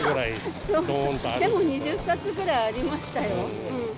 でも２０冊ぐらいありましたよ。